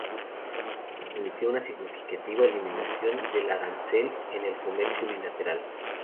Esto permitió una significativa eliminación del arancel en el comercio bilateral.